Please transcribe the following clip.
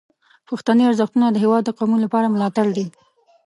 پښتني ارزښتونه د هیواد د قومونو لپاره ملاتړ دي.